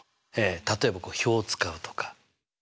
例えば表を使うとか。